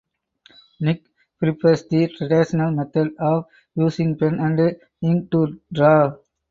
Nick prefers the traditional method of using pen and ink to draw.